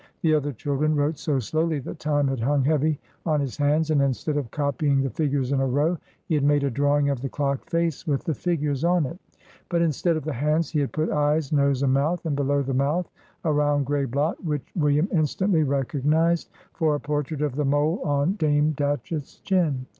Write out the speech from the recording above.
The other children wrote so slowly that time had hung heavy on his hands; and, instead of copying the figures in a row, he had made a drawing of the clock face, with the figures on it; but instead of the hands, he had put eyes, nose, and mouth, and below the mouth a round gray blot, which William instantly recognized for a portrait of the mole on Dame Datchett's chin.